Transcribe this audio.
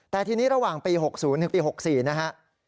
แต่ทีนี้ระหว่างปี๖๐ถึงปี๖๔นะฮะ